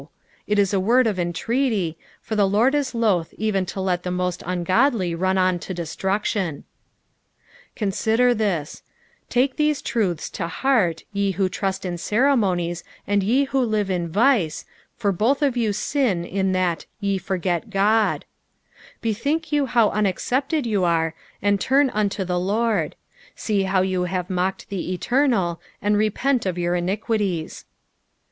it is a word of entreaty, for the Lord is loath even to let the most ungodly run on to destruction, "Gorttider thu ;" take these truths to heart, ye who b^ist in ceremonies and ye who live in vice, for both of you sin in that " j/e forget Ood," Bethink you how unaccepted you are, and turn unto the Lord. See how you have mocked the eternal, and repent of your iniquities.